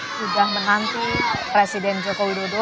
sudah menanti presiden joko widodo